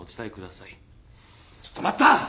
ちょっと待った！